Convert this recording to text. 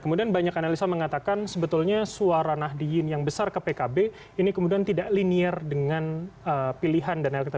kemudian banyak analisa mengatakan sebetulnya suara nahdiyin yang besar ke pkb ini kemudian tidak linear dengan pilihan dan elektabilitas